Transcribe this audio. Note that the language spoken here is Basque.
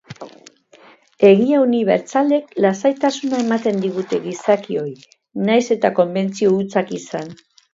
Egi unibertsalek lasaitasuna ematen digute gizakioi nahiz eta konbentzio hutsak izan.